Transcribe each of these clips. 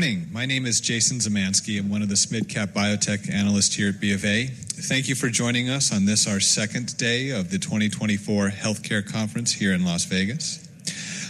Morning. My name is Jason Zemansky. I'm one of the SMID Cap Biotech analysts here at BofA. Thank you for joining us on this, our second day of the 2024 healthcare conference here in Las Vegas.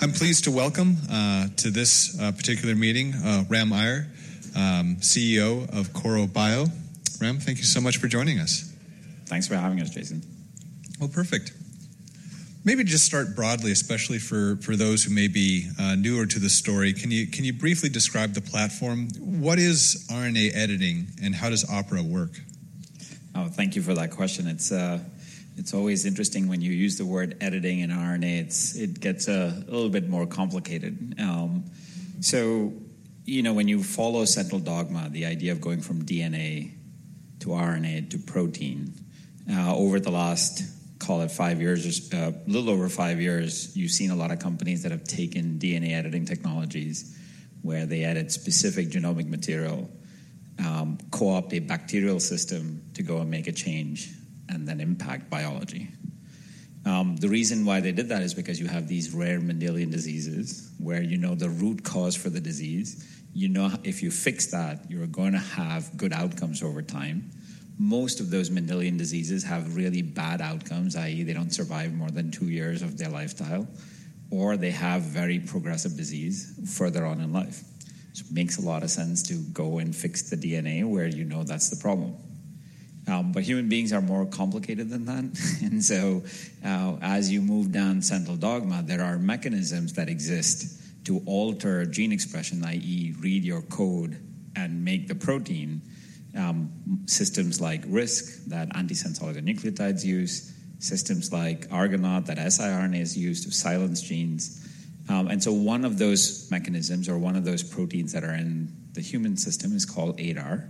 I'm pleased to welcome to this particular meeting Ram Aiyar, CEO of Korro Bio. Ram, thank you so much for joining us. Thanks for having us, Jason. Well, perfect. Maybe just start broadly, especially for those who may be newer to the story. Can you briefly describe the platform? What is RNA editing, and how does OPERA work? Oh, thank you for that question. It's always interesting when you use the word "editing" in RNA; it gets a little bit more complicated. So, you know, when you follow central dogma, the idea of going from DNA to RNA to protein, over the last, call it, five years or a little over five years, you've seen a lot of companies that have taken DNA editing technologies, where they edit specific genomic material, co-opt a bacterial system to go and make a change, and then impact biology. The reason why they did that is because you have these rare Mendelian diseases, where you know the root cause for the disease. You know if you fix that, you're going to have good outcomes over time. Most of those Mendelian diseases have really bad outcomes, i.e., they don't survive more than two years of their lifestyle, or they have very progressive disease further on in life. So it makes a lot of sense to go and fix the DNA where you know that's the problem. But human beings are more complicated than that, and so as you move down central dogma, there are mechanisms that exist to alter gene expression, i.e., read your code and make the protein. Systems like RISC that antisense oligonucleotides use, systems like Argonaute that siRNA is used to silence genes. And so one of those mechanisms, or one of those proteins that are in the human system, is called ADAR.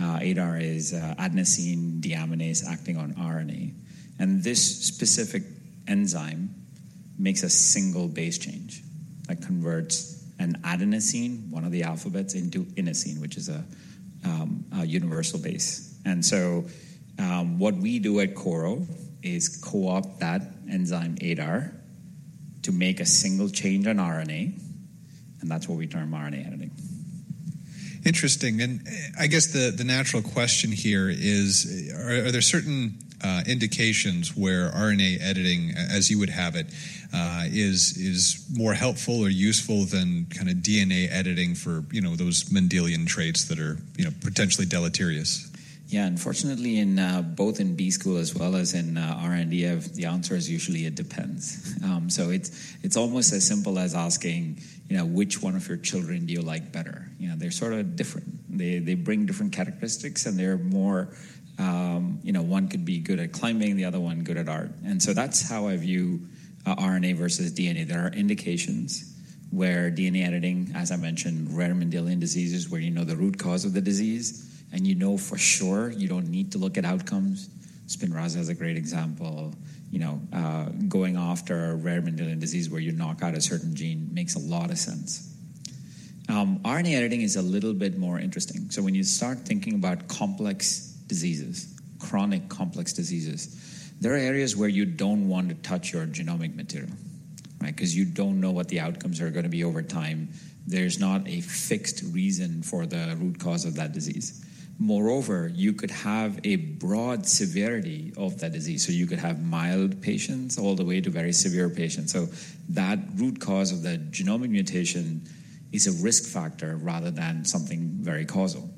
ADAR is adenosine deaminase, acting on RNA. And this specific enzyme makes a single base change, that converts an adenosine, one of the alphabets, into inosine, which is a universal base. What we do at Korro is co-opt that enzyme, ADAR, to make a single change on RNA, and that's what we term RNA editing. Interesting. I guess the natural question here is: are there certain indications where RNA editing, as you would have it, is more helpful or useful than kind of DNA editing for, you know, those Mendelian traits that are, you know, potentially deleterious? Yeah, unfortunately, both in B school as well as in R&D, the answer is usually it depends. So it's almost as simple as asking, you know, which one of your children do you like better? You know, they're sort of different. They bring different characteristics, and they're more, you know, one could be good at climbing, the other one good at art. And so that's how I view RNA versus DNA. There are indications where DNA editing, as I mentioned, rare Mendelian diseases where you know the root cause of the disease, and you know for sure you don't need to look at outcomes. Spinraza is a great example. You know, going after a rare Mendelian disease where you knock out a certain gene makes a lot of sense. RNA editing is a little bit more interesting. So when you start thinking about complex diseases, chronic complex diseases, there are areas where you don't want to touch your genomic material, right? Because you don't know what the outcomes are going to be over time. There's not a fixed reason for the root cause of that disease. Moreover, you could have a broad severity of that disease. So you could have mild patients all the way to very severe patients. So that root cause of the genomic mutation is a risk factor rather than something very causal.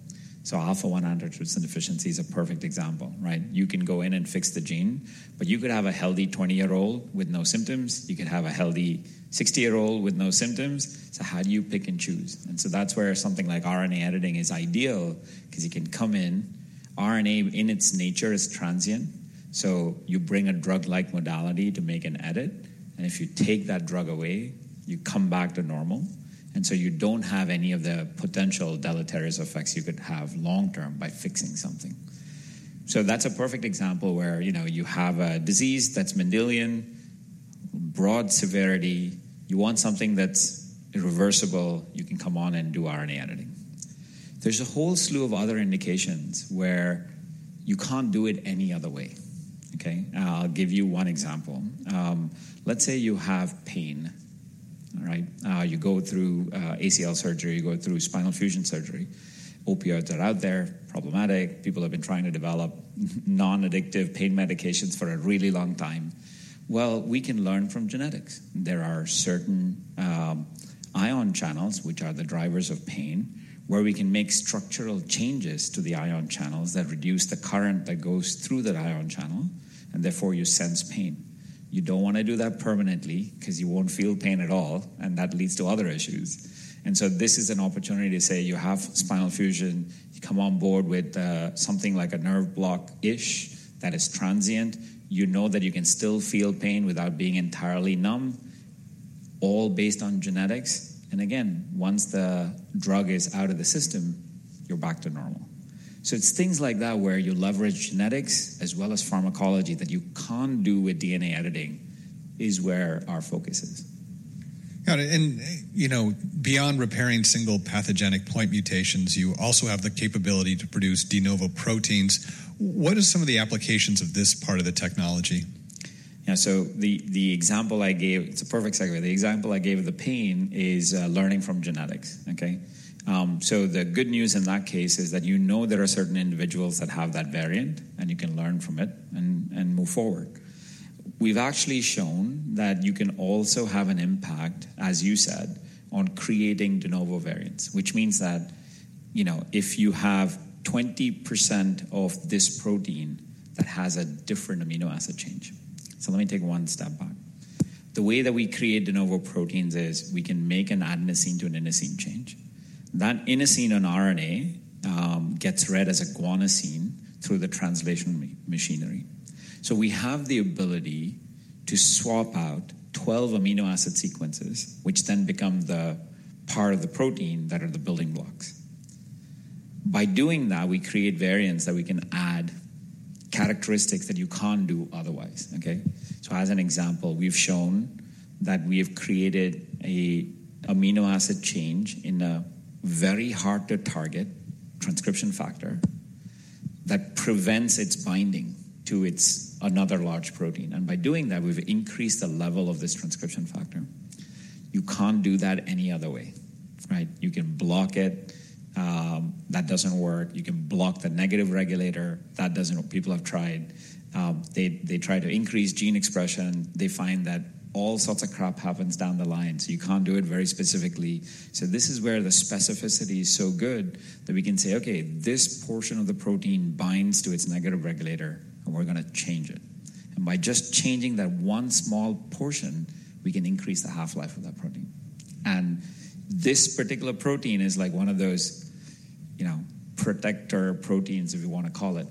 So Alpha-1 antitrypsin deficiency is a perfect example, right? You can go in and fix the gene, but you could have a healthy 20-year-old with no symptoms. You could have a healthy 60-year-old with no symptoms. So how do you pick and choose? And so that's where something like RNA editing is ideal, because you can come in, RNA in its nature is transient, so you bring a drug-like modality to make an edit, and if you take that drug away, you come back to normal, and so you don't have any of the potential deleterious effects you could have long-term by fixing something. So that's a perfect example where, you know, you have a disease that's Mendelian, broad severity, you want something that's irreversible, you can come on and do RNA editing. There's a whole slew of other indications where you can't do it any other way, okay? I'll give you one example. Let's say you have pain, all right? You go through ACL surgery, you go through spinal fusion surgery. Opioids are out there, problematic. People have been trying to develop non-addictive pain medications for a really long time. Well, we can learn from genetics. There are certain ion channels, which are the drivers of pain, where we can make structural changes to the ion channels that reduce the current that goes through that ion channel, and therefore you sense pain. You don't want to do that permanently, because you won't feel pain at all, and that leads to other issues. And so this is an opportunity to say you have spinal fusion, you come on board with something like a nerve block-ish that is transient, you know that you can still feel pain without being entirely numb, all based on genetics, and again, once the drug is out of the system, you're back to normal. So it's things like that where you leverage genetics as well as pharmacology that you can't do with DNA editing is where our focus is. Got it. You know, beyond repairing single pathogenic point mutations, you also have the capability to produce de novo proteins. What are some of the applications of this part of the technology? Yeah, so the example I gave. It's a perfect segue. The example I gave of the pain is learning from genetics, okay? So the good news in that case is that you know there are certain individuals that have that variant, and you can learn from it and move forward. We've actually shown that you can also have an impact, as you said, on creating de novo variants, which means that, you know, if you have 20% of this protein that has a different amino acid change. So let me take one step back. The way that we create de novo proteins is we can make an adenosine to an inosine change. That inosine on RNA gets read as a guanosine through the translation machinery. So we have the ability to swap out 12 amino acid sequences, which then become the part of the protein that are the building blocks. By doing that, we create variants that we can add characteristics that you can't do otherwise, okay? As an example, we've shown that we have created an amino acid change in a very hard-to-target transcription factor that prevents its binding to another large protein. By doing that, we've increased the level of this transcription factor. You can't do that any other way, right? You can block it. That doesn't work. You can block the negative regulator. That doesn't work. People have tried. They try to increase gene expression. They find that all sorts of crap happens down the line, so you can't do it very specifically. This is where the specificity is so good that we can say, okay, this portion of the protein binds to its negative regulator, and we're going to change it. By just changing that one small portion, we can increase the half-life of that protein. This particular protein is like one of those, you know, protector proteins, if you want to call it.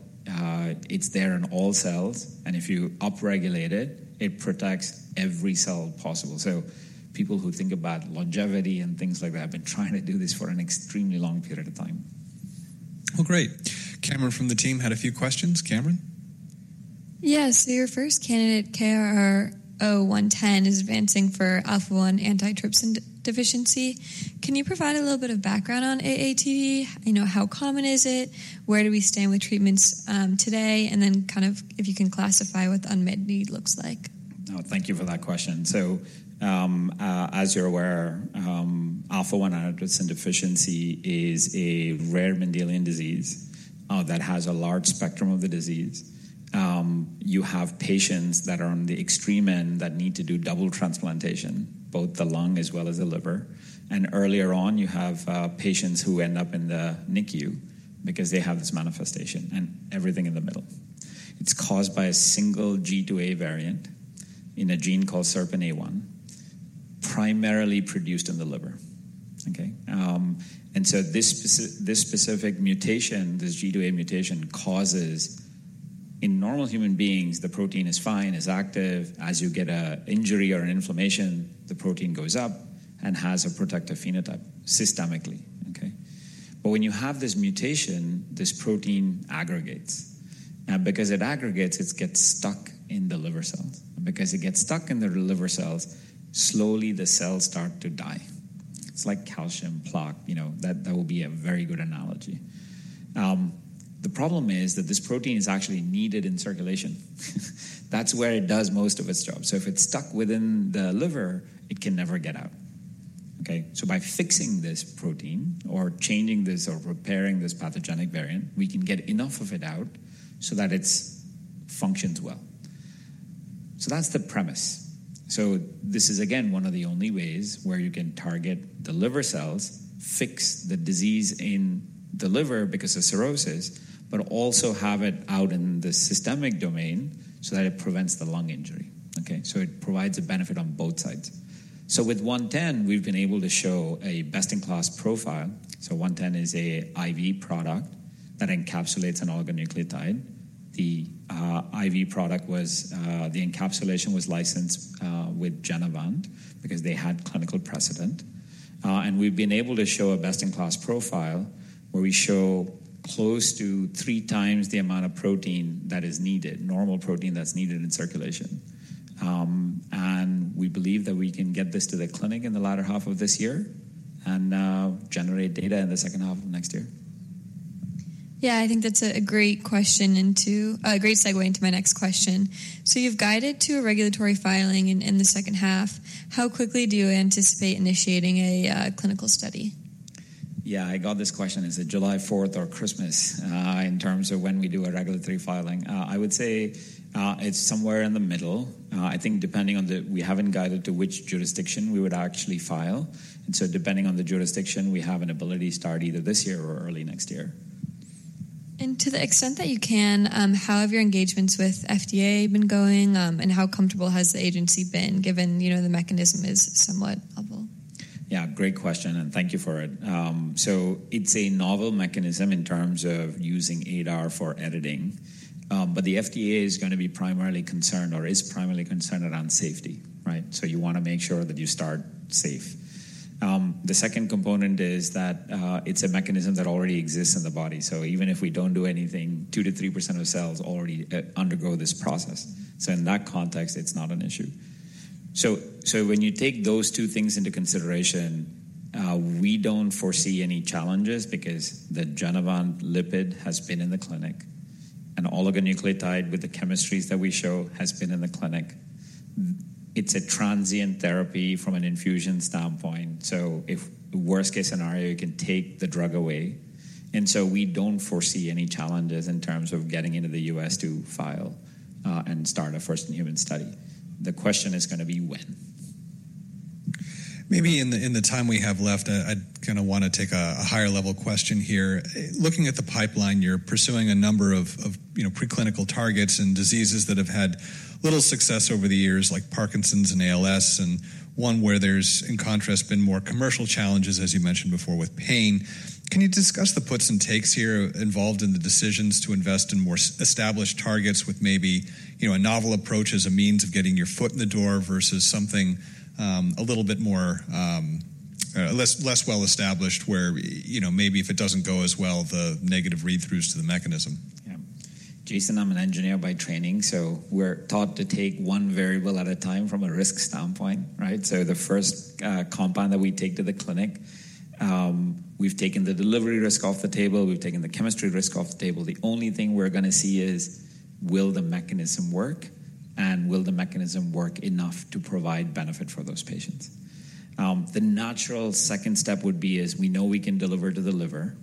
It's there in all cells, and if you upregulate it, it protects every cell possible. People who think about longevity and things like that have been trying to do this for an extremely long period of time. Well, great. Cameron from the team had a few questions. Cameron? Yes. So your first candidate, KRRO-110, is advancing for Alpha-1 antitrypsin deficiency. Can you provide a little bit of background on AATD? You know, how common is it? Where do we stand with treatments today? And then kind of, if you can classify what the unmet need looks like. Oh, thank you for that question. So, as you're aware, alpha-1 antitrypsin deficiency is a rare Mendelian disease that has a large spectrum of the disease. You have patients that are on the extreme end that need to do double transplantation, both the lung as well as the liver. And earlier on, you have patients who end up in the NICU because they have this manifestation, and everything in the middle. It's caused by a single G-to-A variant in a gene called SERPINA1, primarily produced in the liver, okay? And so this specific mutation, this G-to-A mutation, causes in normal human beings, the protein is fine, is active. As you get an injury or an inflammation, the protein goes up and has a protective phenotype, systemically, okay? But when you have this mutation, this protein aggregates. Now, because it aggregates, it gets stuck in the liver cells. And because it gets stuck in the liver cells, slowly the cells start to die. It's like calcium plaque, you know, that would be a very good analogy. The problem is that this protein is actually needed in circulation. That's where it does most of its job. So if it's stuck within the liver, it can never get out, okay? So by fixing this protein, or changing this, or repairing this pathogenic variant, we can get enough of it out so that it functions well. So that's the premise. So this is, again, one of the only ways where you can target the liver cells, fix the disease in the liver because of cirrhosis, but also have it out in the systemic domain so that it prevents the lung injury, okay? So it provides a benefit on both sides. So with KRRO-110, we've been able to show a best-in-class profile. So 110 is an IV product that encapsulates an oligonucleotide. The IV product, the encapsulation, was licensed with Genevant because they had clinical precedent. And we've been able to show a best-in-class profile where we show close to 3x the amount of protein that is needed, normal protein that's needed in circulation. And we believe that we can get this to the clinic in the latter half of this year and generate data in the second half of next year. Yeah, I think that's a great question and to a great segue into my next question. So you've guided to a regulatory filing in the second half. How quickly do you anticipate initiating a clinical study? Yeah, I got this question. Is it July 4th or Christmas in terms of when we do a regulatory filing? I would say it's somewhere in the middle. I think, depending on the, we haven't guided to which jurisdiction we would actually file. So depending on the jurisdiction, we have an ability to start either this year or early next year. To the extent that you can, how have your engagements with FDA been going, and how comfortable has the agency been, given, you know, the mechanism is somewhat novel? Yeah, great question, and thank you for it. So it's a novel mechanism in terms of using ADAR for editing, but the FDA is going to be primarily concerned, or is primarily concerned, around safety, right? So you want to make sure that you start safe. The second component is that it's a mechanism that already exists in the body. So even if we don't do anything, 2%-3% of cells already undergo this process. So in that context, it's not an issue. So when you take those two things into consideration, we don't foresee any challenges because the Genevant lipid has been in the clinic, and oligonucleotide with the chemistries that we show has been in the clinic. It's a transient therapy from an infusion standpoint. So if worst-case scenario, you can take the drug away. And so we don't foresee any challenges in terms of getting into the U.S. to file and start a first-in-human study. The question is going to be when. Maybe in the time we have left, I'd kind of want to take a higher-level question here. Looking at the pipeline, you're pursuing a number of, you know, preclinical targets and diseases that have had little success over the years, like Parkinson's and ALS, and one where there's, in contrast, been more commercial challenges, as you mentioned before, with pain. Can you discuss the puts and takes here involved in the decisions to invest in more established targets with maybe, you know, a novel approach as a means of getting your foot in the door versus something a little bit more less well-established where, you know, maybe if it doesn't go as well, the negative read-throughs to the mechanism? Yeah. Jason, I'm an engineer by training, so we're taught to take one variable at a time from a risk standpoint, right? So the first compound that we take to the clinic, we've taken the delivery risk off the table, we've taken the chemistry risk off the table. The only thing we're going to see is will the mechanism work, and will the mechanism work enough to provide benefit for those patients? The natural second step would be is we know we can deliver to the liver.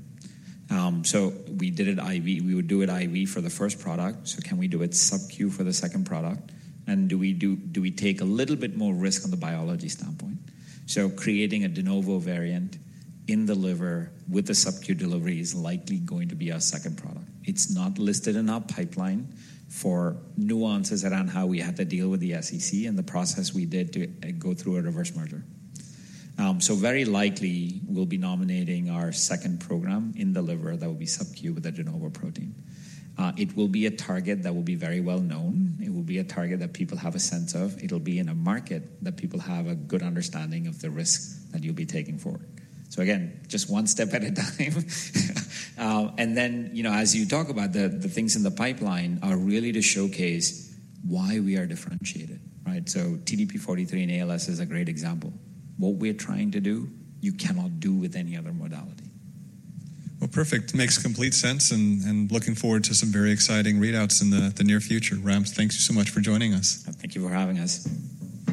So we did it IV. We would do it IV for the first product. So can we do it sub-Q for the second product? And do we take a little bit more risk on the biology standpoint? So creating a de novo variant in the liver with a sub-Q delivery is likely going to be our second product. It's not listed in our pipeline for nuances around how we had to deal with the SEC and the process we did to go through a reverse merger. So very likely, we'll be nominating our second program in the liver that will be sub-Q with a de novo protein. It will be a target that will be very well-known. It will be a target that people have a sense of. It'll be in a market that people have a good understanding of the risk that you'll be taking forward. So again, just one step at a time. And then, you know, as you talk about, the things in the pipeline are really to showcase why we are differentiated, right? So TDP-43 and ALS is a great example. What we're trying to do, you cannot do with any other modality. Well, perfect. Makes complete sense, and looking forward to some very exciting readouts in the near future. Ram, thank you so much for joining us. Thank you for having us.